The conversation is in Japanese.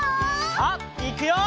さあいくよ！